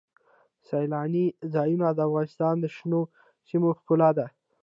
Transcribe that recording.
سیلانی ځایونه د افغانستان د شنو سیمو ښکلا ده.